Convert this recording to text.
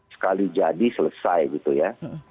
sekali jadi selesai gitu ya